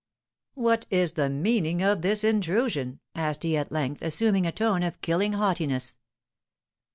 "What is the meaning of this intrusion?" asked he at length, assuming a tone of killing haughtiness.